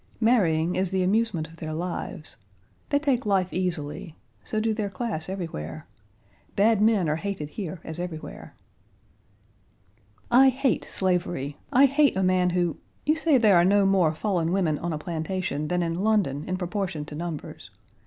Marrying is the amusement of their lives. They take life easily; so do their class everywhere. Bad men are hated here as elsewhere. "I hate slavery. I hate a man who You say there are no more fallen women on a plantation than in London in proportion to numbers.